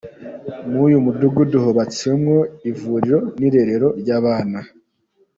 Muri uyu mudugudu hubatswemo n’ivuriro n’irerero ry’abana.